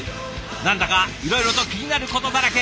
何だかいろいろと気になることだらけ。